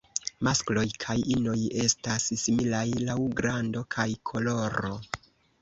Maskloj kaj inoj estas similaj laŭ grando kaj koloro.